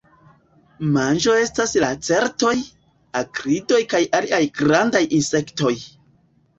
Manĝo estas lacertoj, akridoj kaj aliaj grandaj insektoj.